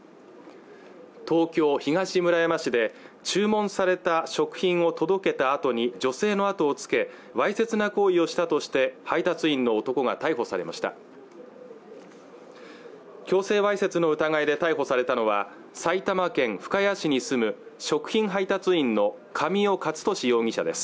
東京東村山市で注文された食品を届けたあとに女性のあとをつけわいせつな行為をしたとして配達員の男が逮捕されました強制わいせつの疑いで逮捕されたのは埼玉県深谷市に住む食品配達員の神尾克利容疑者です